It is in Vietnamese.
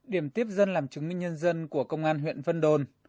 điểm tiếp dân làm chứng minh nhân dân của công an huyện vân đồn